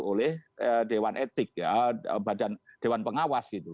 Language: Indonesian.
oleh dewan etik ya badan dewan pengawas gitu